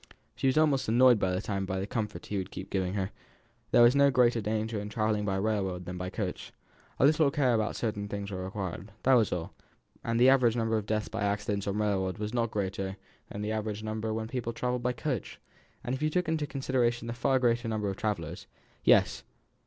She was almost annoyed this time by the comfort he would keep giving her; there was no greater danger in travelling by railroad than by coach, a little care about certain things was required, that was all, and the average number of deaths by accidents on railroads was not greater than the average number when people travelled by coach, if you took into consideration the far greater number of travellers. Yes!